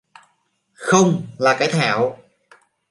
không, là cái Thảo